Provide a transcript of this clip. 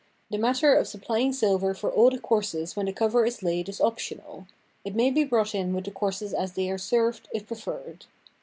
The matter of supplying silver for all the courses when the cover is laid is optional. It may be brought in with the courses as they are served, if preferred.